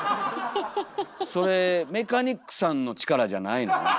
それメカニックさんの力じゃないの？